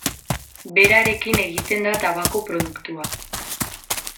Berarekin egiten da tabako produktua.